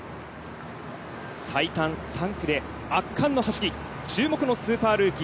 最短３区で圧巻の走り注目のスーパールーキー